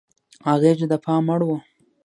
اغېز یې د پام وړ و.